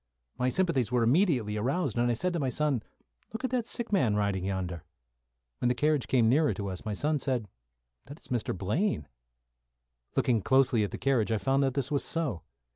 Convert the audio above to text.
My sympathies were immediately aroused, and I said to my son, "Look at that sick man riding yonder." When the carriage came nearer to us, my son said, "That is Mr. Blaine." Looking closely at the carriage I found that this was so.